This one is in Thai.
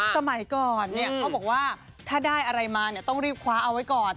สมัยก่อนเขาบอกว่าถ้าได้อะไรมาต้องรีบคว้าเอาไว้ก่อน